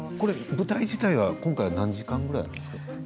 舞台自体は何時間ぐらいですか。